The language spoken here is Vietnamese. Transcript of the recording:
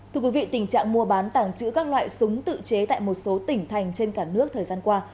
thưa quý vị tình trạng mua bán tàng trữ các loại súng tự chế tại một số tỉnh thành trên cả nước thời gian qua